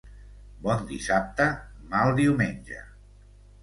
Bon dissabte, mal diumenge.